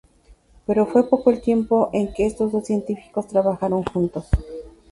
Pero fue poco el tiempo en que estos dos científicos trabajaron juntos.